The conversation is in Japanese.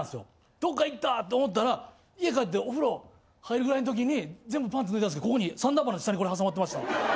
どっかいったと思ったら家帰ってお風呂入るぐらいの時に全部パンツ脱いだんですけどここに三段腹の下にこれ挟まってました。